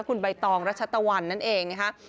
คุณใบตองรัชตะวันนั่นเองนะคะ